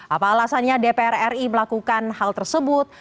apa alasannya dpr ri melakukan hal tersebut